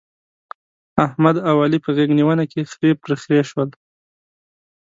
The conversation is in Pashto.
احمد او علي په غېږ نيونه کې خرې پر خرې شول.